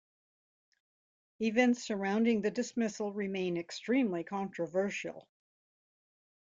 Events surrounding the dismissal remain extremely controversial.